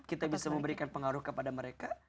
kita bisa memberikan pengaruh kepada mereka